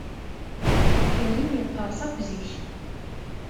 Karim yeqqers akk ziɣ.